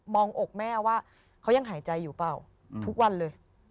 อกแม่ว่าเขายังหายใจอยู่เปล่าทุกวันเลย